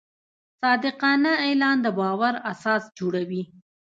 صادقانه اعلان د باور اساس جوړوي.